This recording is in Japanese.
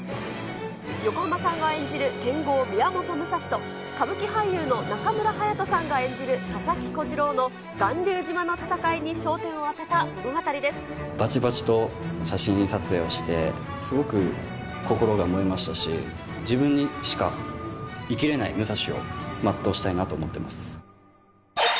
横浜さんが演じる剣豪、宮本武蔵と歌舞伎俳優の中村隼人さんが演じる佐々木小次郎の巌流ばちばちと写真撮影をして、すごく心が燃えましたし、自分にしか生きれない武蔵を全うしたいなと思ってます。